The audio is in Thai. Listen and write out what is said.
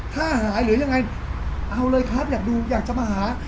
ถ้าหายหรือยังไงเอาเลยครับอยากดูอยากจะมาหา